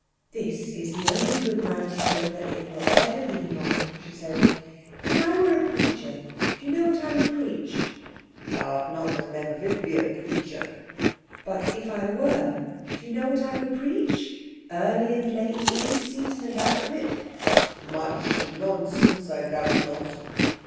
"This is the only good man's shoulder it will ever lean on," she said. "If I were a preacher, do you know what I would preach?" "Thou art not, and never wilt be, a preacher." "But if I were? Do you know what I would preach? Early and late? In season and out of it?" "Much nonsense, I doubt not."